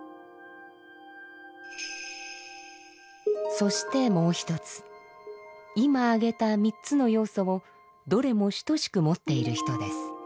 そしてもう一つ今挙げた３つの要素をどれも等しく持っている人です。